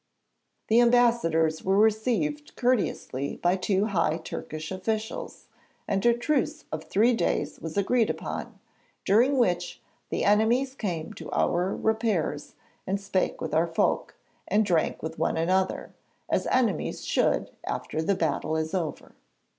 The ambassadors were received courteously by two high Turkish officials, and a truce of three days was agreed upon, during which 'the enemies came to our repairs and spake with our folk, and drank with one another,' as enemies should after the battle is over.